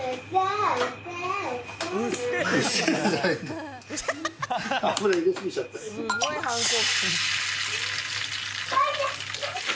すごい反抗。